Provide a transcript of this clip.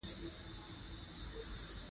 فاریاب د افغانانو د تفریح یوه وسیله ده.